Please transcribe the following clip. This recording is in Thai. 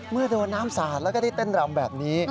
เมื่อโดนน้ำสาดแล้วก็ได้เต้นรำแบบนี้